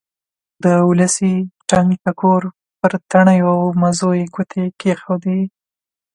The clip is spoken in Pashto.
د ولسي ټنګ ټکور پر تڼیو او مزو یې ګوتې کېښودې.